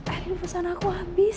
eh lupusan aku habis